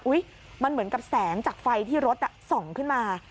มันเหมือนกับแสงจากไฟที่รถส่องขึ้นมา